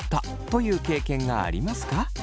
という経験がありますか？